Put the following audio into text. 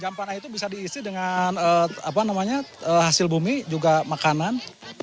jampana itu bisa diisi dengan apa namanya hasil bumi juga makanan